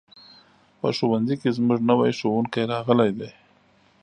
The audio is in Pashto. په ښوونځي کې زموږ نوی ښوونکی راغلی دی.